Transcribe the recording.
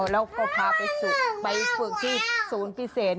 แล้วก็พาไปฝึกที่ศูนย์พิเศษ